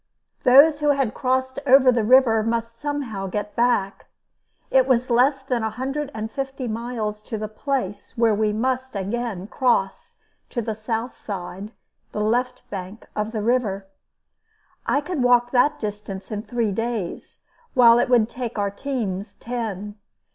Those who had crossed over the river must somehow get back. It was less than a hundred and fifty miles to the place where we must again cross to the south side (the left bank) of the river. I could walk that distance in three days, while it would take our teams ten.